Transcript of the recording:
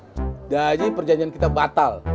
udah aja perjanjian kita batal